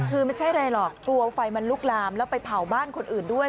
คือไม่ใช่อะไรหรอกกลัวไฟมันลุกลามแล้วไปเผาบ้านคนอื่นด้วย